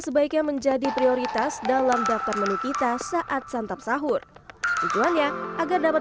sebaiknya menjadi prioritas dalam daftar menu kita saat santap sahur tujuannya agar dapat